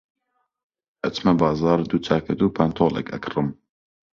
ئەچمە بازاڕ دوو چاکەت و پانتۆڵێک ئەکڕم.